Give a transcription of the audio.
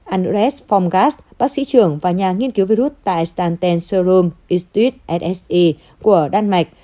andres formgas bác sĩ trưởng và nhà nghiên cứu virus tại stantens serum institute at se của đan mạch